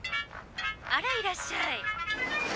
あらいらっしゃい。